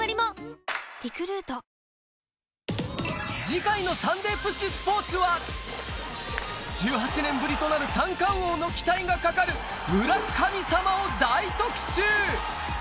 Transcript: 次回の『サンデーＰＵＳＨスポーツ』は１８年ぶりとなる三冠王の期待がかかる村神様を大特集！